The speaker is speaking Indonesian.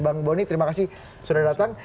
bang boni terima kasih sudah datang